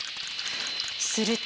すると。